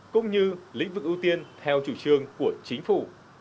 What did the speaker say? cũng như lĩnh vực ưu tiên theo chủ trương của chính phủ